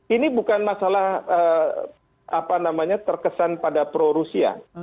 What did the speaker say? ini bukan masalah terkesan pada pro rusia